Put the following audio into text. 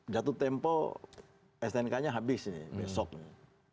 jatuh tempo snk nya habis nih besoknya